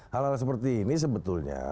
hal hal seperti ini sebetulnya